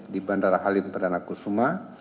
di bandara halim perdana kusuma